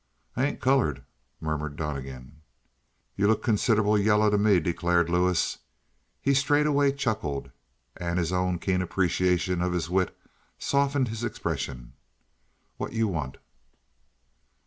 "I ain't colored," murmured Donnegan. "You took considerable yaller to me," declared Lewis. He straightway chuckled, and his own keen appreciation of his wit softened his expression. "What you want?"